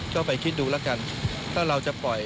ก็ไปคิดดูแล้วกันถ้าเราจะปล่อย